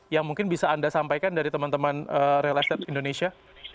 yang mungkin bisa anda sampaikan dari teman teman real estate indonesia